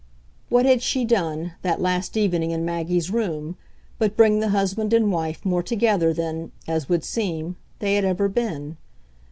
What had she done, that last evening in Maggie's room, but bring the husband and wife more together than, as would seem, they had ever been?